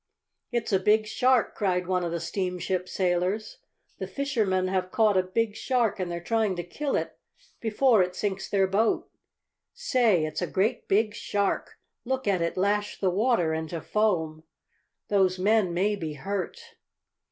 "It's a big shark!" cried one of the steamship sailors. "The fishermen have caught a big shark and they're trying to kill it before it sinks their boat. Say, it's a great, big shark! Look at it lash the water into foam! Those men may be hurt!"